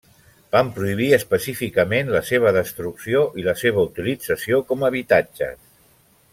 Van prohibir específicament la seva destrucció i la seva utilització com habitatges.